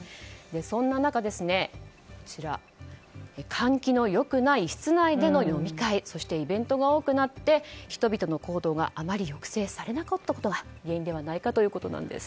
そんな中、換気のよくない室内での飲み会そしてイベントが多くなって人々の行動があまり抑制されなかったことが原因ではということです。